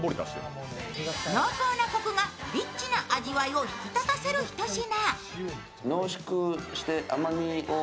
濃厚なこくがリッチな味わいを引き立たせるひと品。